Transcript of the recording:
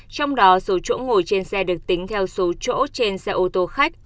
trong đó số chỗ ngồi trên xe được tính theo số chỗ trên xe ô tô khách